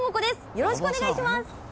よろしくお願いします。